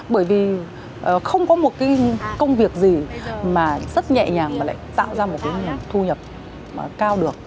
bởi vì không có một cái công việc gì mà rất nhẹ nhàng và lại tạo ra một cái nguồn thu nhập cao được